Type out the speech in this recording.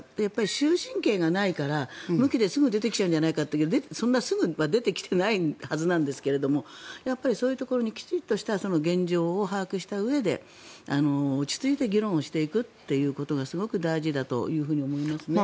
終身刑がないから無期ですぐ出てきちゃうっていうんだけどそんなにすぐは出てきていないはずなんですけどやっぱりそういうところにきちんと現状を把握したうえで落ち着いて議論していくことがすごく大事だと思いますね。